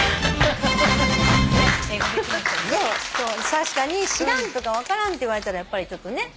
確かに知らんとか分からんって言われたらやっぱりちょっとね。